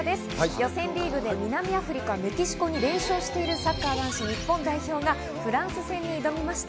予選リーグで南アフリカ、メキシコに連勝しているサッカー男子日本代表がフランス戦に挑みました。